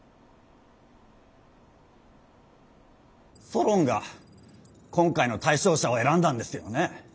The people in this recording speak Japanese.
ソロンが今回の対象者を選んだんですよね？